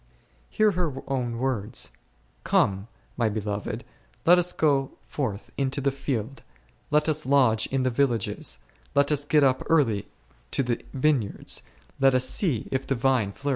Hear her own words : Come, my beloved, let us go forth into the field ; let us lodge in the villages; let us get up early to the vineyards, let us see if the vine p Prov.